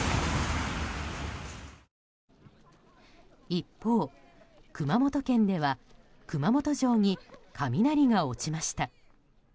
一方、熊本県では熊本城に雷が落ちました。